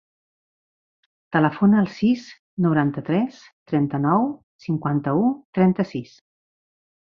Telefona al sis, noranta-tres, trenta-nou, cinquanta-u, trenta-sis.